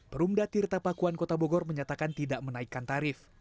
perumda tirta pakuan kota bogor menyatakan tidak menaikkan tarif